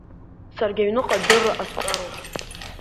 Саргьы аҩныҟа адырра ҟасҵароуп.